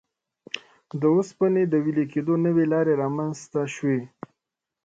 د اوسپنې د وېلې کېدو نوې لارې رامنځته شوې.